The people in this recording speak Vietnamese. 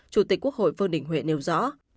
chủ tịch quốc hội vương đình huệ nêu rõ